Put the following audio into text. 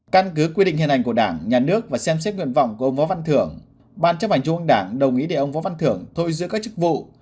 căn cứ quy định hiện hành của đảng nhà nước và xem xét nguyện vọng của ông võ văn thưởng ban chấp hành trung ương đảng đồng ý để ông võ văn thưởng thôi giữ các chức vụ